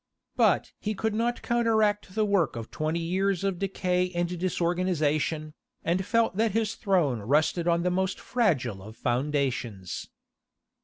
But he could not counteract the work of twenty years of decay and disorganization, and felt that his throne rested on the most fragile of foundations.